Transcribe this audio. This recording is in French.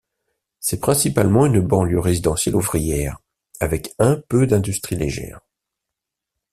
C'est principalement une banlieue résidentielle ouvrière, avec un peu d'industrie légère.